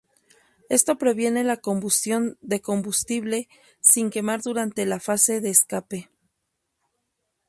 Esto previene la combustión de combustible sin quemar durante la fase de escape.